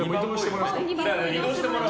移動してもらおう。